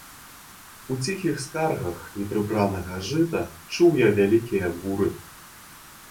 У ціхіх скаргах непрыбранага жыта чуў я вялікія буры.